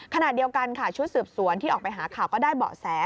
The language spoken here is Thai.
ขณะเดียวกันค่ะชุดสืบสวนที่ออกไปหาข่าวก็ได้เบาะแส